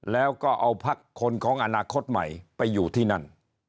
แล้วก็เอาพักคนของอนาคตใหม่ไปอยู่ที่นั่น